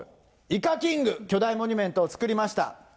イカキング、巨大モニュメントを作りました。